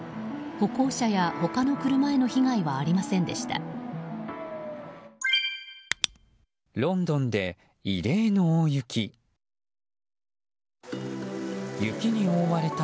歩行者や他の車への被害はありませんでした。